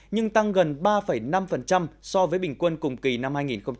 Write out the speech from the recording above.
nhưng tăng gần ba năm so với bình quân cùng kỳ năm hai nghìn một mươi tám